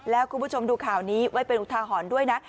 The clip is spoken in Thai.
แล้วคุณผู้ชมดูข่าวนี้ไว้เป็นอุทาหรณ์ด้วยนะ